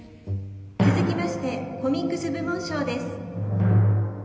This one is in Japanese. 続きましてコミックス部門賞です。